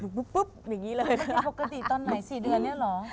อยู่ปุ๊บปุ๊บมันฐกตีตอนไหน๔เดือนนี้หรอ